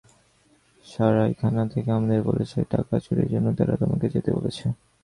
সরাইখানা থেকে আমাদের বলেছে টাকা চুরির জন্য তারা তোমাকে যেতে বলেছে।